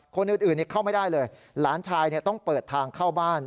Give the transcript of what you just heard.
คนอื่นเข้าไม่ได้เลยหลานชายต้องเปิดทางเข้าบ้าน